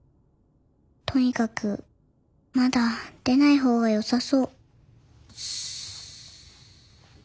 とにかくまだ出ない方がよさそう。